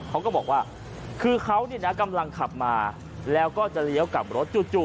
เขาก็บอกว่าคือเขาเนี่ยนะกำลังขับมาแล้วก็จะเลี้ยวกลับรถจู่